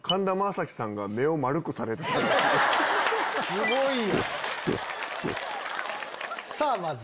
すごいやん！